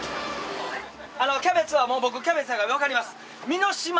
キャベツはもう僕キャベツはわかります。